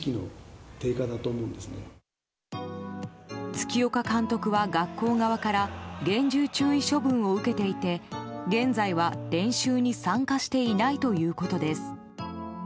月岡監督は学校側から厳重注意処分を受けていて現在は練習に参加していないということです。